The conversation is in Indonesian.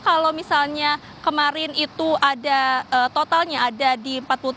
karena kalau misalnya kemarin itu ada totalnya ada di empat puluh tiga lima ratus tujuh puluh satu